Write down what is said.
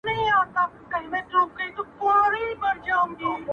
پر دا خپله خرابه مېنه مین یو!.